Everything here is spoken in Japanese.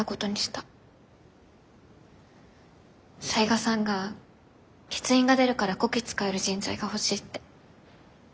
雑賀さんが欠員が出るからこき使える人材が欲しいって。